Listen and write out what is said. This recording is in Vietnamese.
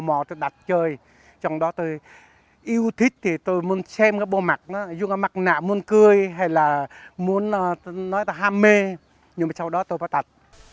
nhưng trong đó tôi phải tạc